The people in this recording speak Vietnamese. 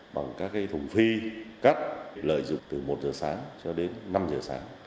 bằng các thùng phi cắt lợi dụng từ một giờ sáng cho đến năm giờ sáng